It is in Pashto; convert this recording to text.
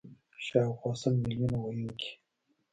شاوخوا سل میلیونه ویونکي